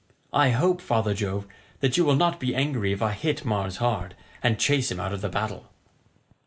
I hope, Father Jove, that you will not be angry if I hit Mars hard, and chase him out of the battle."